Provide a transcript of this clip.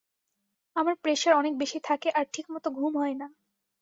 আমার প্রেসার অনেক বেশি থাকে আর ঠিকমত ঘুম হয় না।